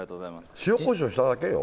塩こしょうしただけよ。